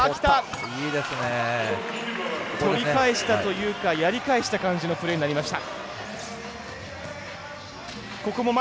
取り返したというかやり返した感じのプレーになりました。